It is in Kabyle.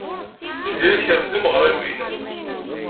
Tiziri tekṛeh timeɣriwin.